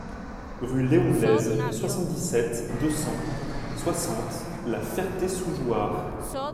Rue Léon Glaize, soixante-dix-sept, deux cent soixante La Ferté-sous-Jouarre